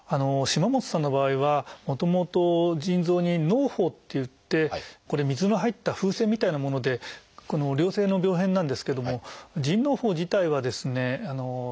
島本さんの場合はもともと腎臓に「のう胞」っていってこれ水の入った風船みたいなもので良性の病変なんですけども腎のう胞自体はですね